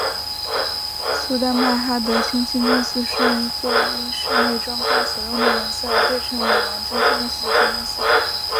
苏丹艾哈迈德清真寺是其中一个因室内砖块所用的颜色而被称为蓝色清真寺的清真寺。